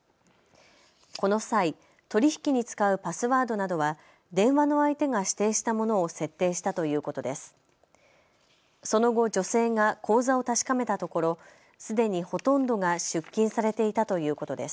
この際、取り引きに使うパスワードなどは電話の相手が指定したものを設定したということです。